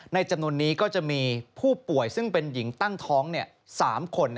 จำนวนนี้ก็จะมีผู้ป่วยซึ่งเป็นหญิงตั้งท้อง๓คน